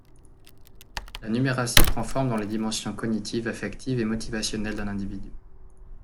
La numératie prend forme dans les dimensions cognitive, affective et motivationnelle d’un individu.